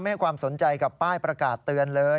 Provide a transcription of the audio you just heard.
ให้ความสนใจกับป้ายประกาศเตือนเลย